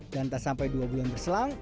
dan tak sampai dua bulan berselang